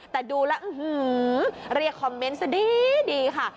แต่ดูแล้วเรียกคอมเมนต์ซะดีค่ะ